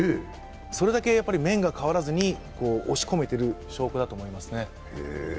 それだけ面が変わらずに押し込めている証拠だと思いますね。